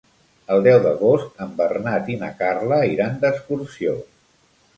El deu d'agost en Bernat i na Carla iran d'excursió.